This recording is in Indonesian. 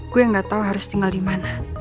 gue ga tau harus tinggal di mana